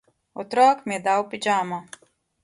Otrok mi je dal pižamo.